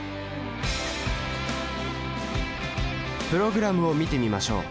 プログラムを見てみましょう。